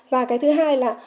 và cái thứ hai là